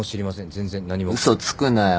全然何も。嘘つくなよ。